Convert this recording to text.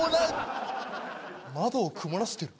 窓を曇らせてる？